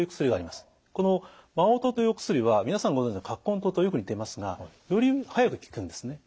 この麻黄湯というお薬は皆さんご存じの葛根湯とよく似ていますがより早く効くんですね。